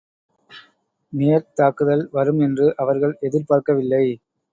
நேர்த் தாக்குதல் வரும் என்று அவர்கள் எதிர்பார்க்கவில்லை.